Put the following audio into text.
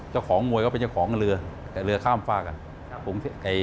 เจ้าของมวยก็เป็นเจ้าของเรือแต่เรือข้ามฝากอ่ะ